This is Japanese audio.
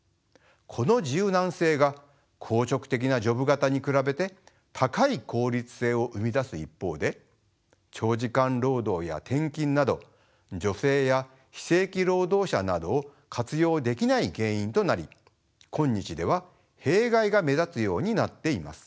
この柔軟性が硬直的なジョブ型に比べて高い効率性を生み出す一方で長時間労働や転勤など女性や非正規労働者などを活用できない原因となり今日では弊害が目立つようになっています。